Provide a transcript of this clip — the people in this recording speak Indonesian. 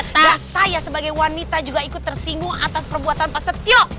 dan saya sebagai wanita juga ikut tersinggung atas perbuatan mas setio